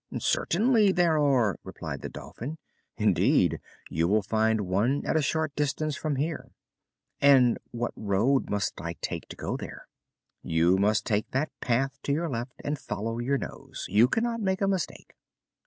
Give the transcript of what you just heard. "Certainly there are," replied the Dolphin. "Indeed, you will find one at a short distance from here." "And what road must I take to go there?" "You must take that path to your left and follow your nose. You cannot make a mistake."